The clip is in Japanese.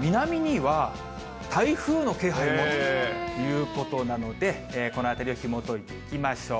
南には台風の気配もということなので、このあたりをひもといていきましょう。